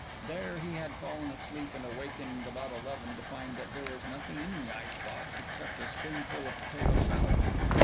There he had fallen asleep and awakened about eleven, to find that there was nothing in the ice box except a spoonful of potato salad.